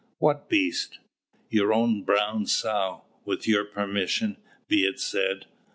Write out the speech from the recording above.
"What beast?" "Your own brown sow, with your permission, be it said."